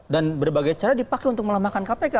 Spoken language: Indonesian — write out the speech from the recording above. dan berbagai cara dipakai untuk melemahkan kpk